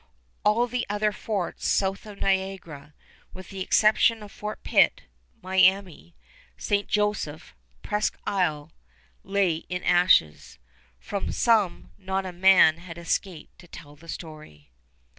All the other forts south of Niagara, with the exception of Fort Pitt, Miami, St. Joseph, Presqu' Isle, lay in ashes. From some not a man had escaped to tell the story.